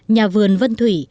nhà vườn vân thủy